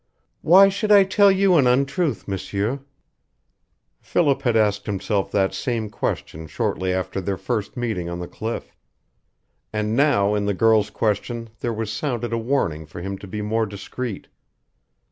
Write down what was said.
"Why should I tell you an untruth, M'sieur?" Philip had asked himself that same question shortly after their first meeting on the cliff. And now in the girl's question there was sounded a warning for him to be more discreet.